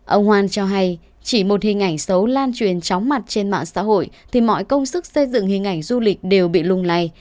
ông hoan cho hay chỉ một hình ảnh xấu lan truyền chóng mặt trên mạng xã hội thì mọi công sức xây dựng hình ảnh du lịch đều bị lùng lầy